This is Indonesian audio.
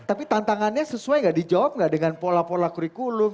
tapi tantangannya sesuai nggak dijawab nggak dengan pola pola kurikulum